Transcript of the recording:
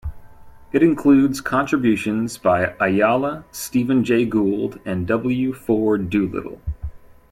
It includes contributions by Ayala, Stephen Jay Gould, and W. Ford Doolittle.